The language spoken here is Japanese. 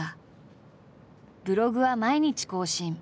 ブログは毎日更新。